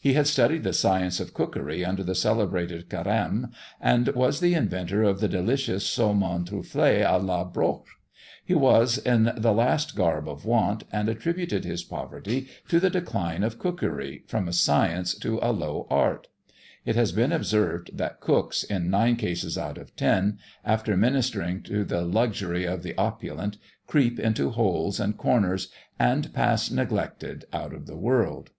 He had studied the science of cookery under the celebrated Carême, and was the inventor of the delicious Saumon truffé à la broche. He was in the last garb of want, and attributed his poverty to the decline of cookery from a science to a low art! It has been observed that cooks, in nine cases out of ten, after ministering to the luxury of the opulent, creep into holes and corners, and pass neglected out of the world.